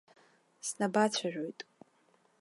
Снабацәажәоит.